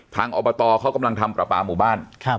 ทางอบตเขากำลังทำปลาปลาหมู่บ้านครับ